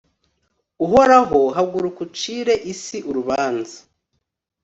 uhoraho, haguruka ucire isi urubanza